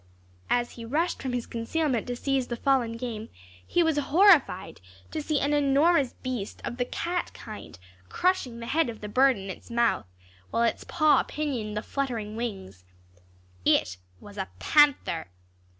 As he rushed from his concealment to seize the fallen game, he was horrified to see an enormous beast of the cat kind, crushing the head of the bird in its mouth, while its paw pinioned the fluttering wings. It was a panther.